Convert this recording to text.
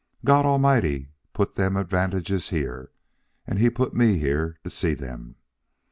God Almighty put them advantages here, and he put me here to see them.